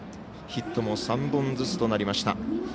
ヒットも３本ずつとなりました。